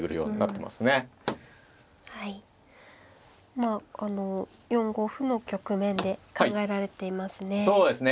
まああの４五歩の局面で考えられていますね。